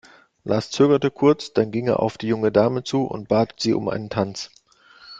Lars zögerte kurz, dann ging er auf die junge Dame zu und bat sie um einen Tanz.